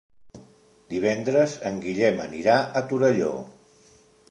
Divendres en Guillem anirà a Torelló.